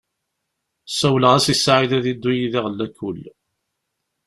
Sawleɣ-as i Saɛid ad yeddu yid-i ɣer lakul.